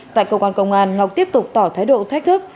tại công an công an ngọc tiếp tục tỏ thái độ thách thức